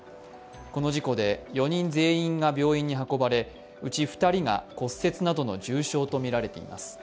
この事故で４人全員が病院に運ばれうち２人が骨折などの重傷とみられています。